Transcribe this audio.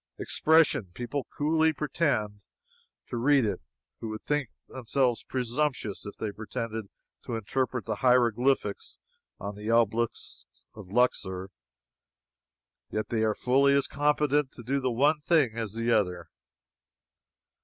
Expression! People coolly pretend to read it who would think themselves presumptuous if they pretended to interpret the hieroglyphics on the obelisks of Luxor yet they are fully as competent to do the one thing as the other.